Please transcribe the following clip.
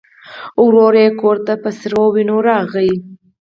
ورور یې کور ته په سرې وینو راغی.